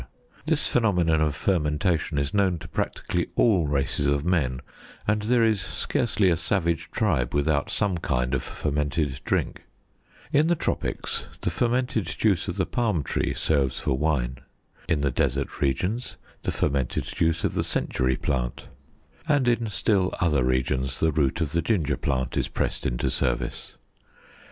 This phenomenon of fermentation is known to practically all races of men, and there is scarcely a savage tribe without some kind of fermented drink; in the tropics the fermented juice of the palm tree serves for wine; in the desert regions, the fermented juice of the century plant; and in still other regions, the root of the ginger plant is pressed into service.